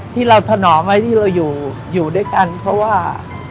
ที่เราถนอมไว้ที่เราอยู่อยู่ด้วยกันเพราะว่า